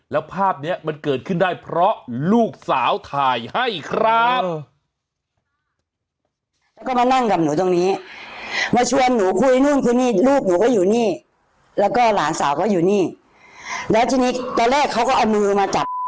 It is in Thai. แล้วภาพนี้มันเกิดขึ้นได้เพราะลูกสาวถ่ายให้ครับ